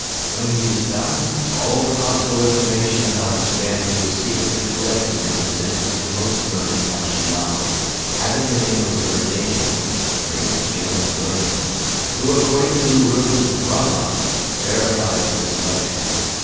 When he is found, all the possible information about his family is secretly collected and presented to the Most Learned Tashi Lama, having the name of Erdeni, "The Great Gem of Learning," who, according to the runes of Rama, verifies the selection.